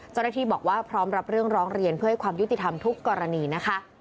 เจ้าหน้าที่บอกว่าพร้อมรับเรื่องร้องเรียนเพื่อให้ความยุติธรรมทุกกรณีนะคะ